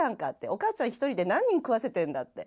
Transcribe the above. お母ちゃん一人で何人食わせてるんだって。